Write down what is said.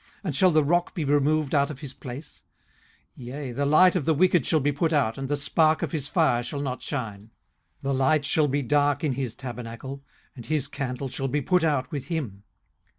and shall the rock be removed out of his place? 18:018:005 Yea, the light of the wicked shall be put out, and the spark of his fire shall not shine. 18:018:006 The light shall be dark in his tabernacle, and his candle shall be put out with him.